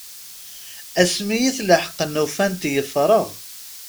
Asmi i t-leḥqent ufant yeffreɣ.